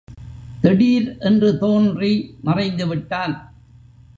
திடீர் என்று தோன்றி மறைந்துவிட்டான்.